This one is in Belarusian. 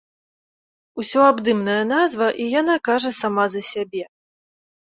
Усёабдымная назва, і яна кажа сама за сябе.